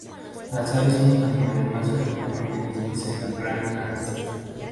Las aves son los animales más frecuentemente vistos en Grand´ Anse.